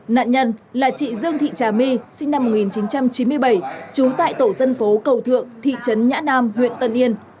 nạn nhân là chị dương thị trà my sinh năm một nghìn chín trăm chín mươi bảy trú tại tổ dân phố cầu thượng thị trấn nhã nam huyện tân yên